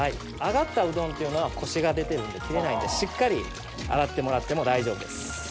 上がったうどんっていうのはコシが出てるんで切れないんでしっかり洗ってもらっても大丈夫です。